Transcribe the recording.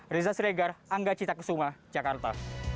disa sregar angga cita kesuma jakarta